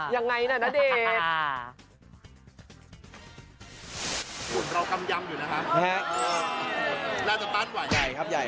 ยังไงน่ะณเดชน์